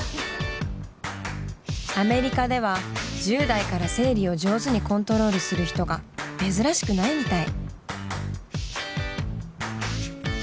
アメリカでは１０代から生理を上手にコントロールする人が珍しくないみたい。